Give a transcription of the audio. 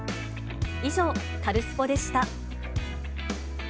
以上、カルスポっ！でした。